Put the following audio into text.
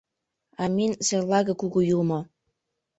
— Амин, серлаге, кугу юмо-о!